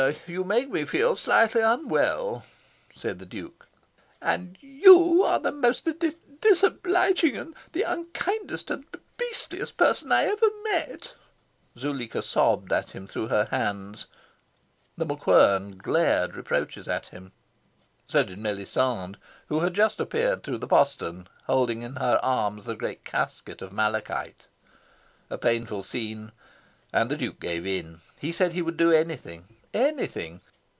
"You make me feel slightly unwell," said the Duke. "And YOU are the most d dis disobliging and the unkindest and the b beastliest person I ever met," Zuleika sobbed at him through her hands. The MacQuern glared reproaches at him. So did Melisande, who had just appeared through the postern, holding in her arms the great casket of malachite. A painful scene; and the Duke gave in. He said he would do anything anything.